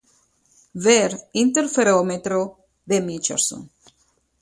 Ver interferómetro de Michelson.